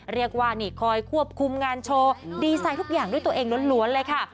เรียกว่านี่คอยควบคุมงานโชว์ดีไซน์ทุกอย่างด้วยตัวเองล้วนเลยค่ะ